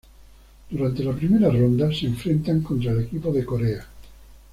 Durante la primera ronda, se enfrentan contra el equipo de Corea.